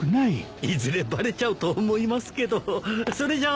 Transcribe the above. いずれバレちゃうと思いますけどそれじゃあ。